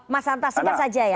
mas santa singkat saja ya